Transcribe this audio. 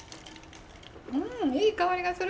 うんいい香りがする。